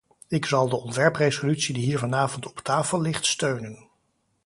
Ik zal de ontwerpresolutie die hier vanavond op tafel ligt steunen.